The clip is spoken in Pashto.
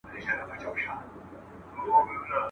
راته مه وایه چي ژوند دی بې مفهومه تش خوبونه ..